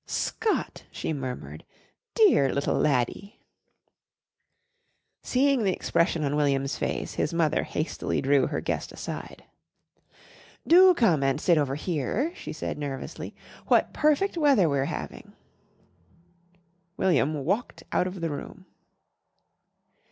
"Scott!" she murmured. "Dear little laddie!" Seeing the expression on William's face his mother hastily drew her guest aside. "Do come and sit over here," she said nervously. "What perfect weather we're having." William walked out of the room.